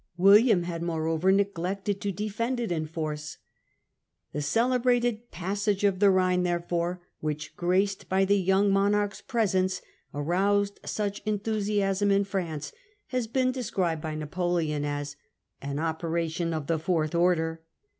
William had, moreover, neglected to defend it in force. The celebrated ' passage of the Rhine 5 therefore, which, graced by the young monarch's presence, aroused such enthusiasm in France, has been described by Napo leon as an 'operation of the fourth order.